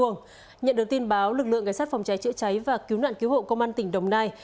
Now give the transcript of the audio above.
nhận được tin báo lực lượng ngay sát phòng cháy chữa cháy và cứu nạn cứu hộ công an tỉnh đồng nai